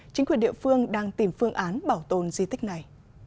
chính quyền địa phương đang tìm phương án bảo tồn di tích này